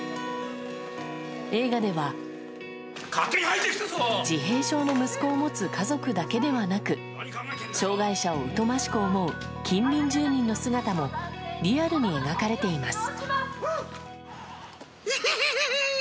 映画では自閉症の息子を持つ家族だけではなく障害者を疎ましく思う近隣住民の姿もリアルに描かれています。